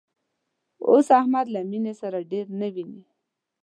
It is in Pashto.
اوس احمد له مینې سره ډېر نه ویني